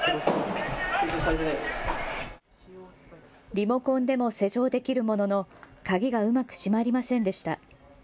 リモコンでも施錠できるものの鍵がうまく閉まりませんでした。